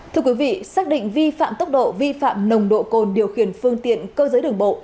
thưa quý vị xác định vi phạm tốc độ vi phạm nồng độ cồn điều khiển phương tiện cơ giới đường bộ